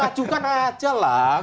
mengacukan aja lah